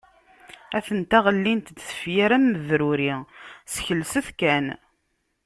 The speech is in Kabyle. Atent-a ɣellint-d tefyar am ubruri, skelset kan!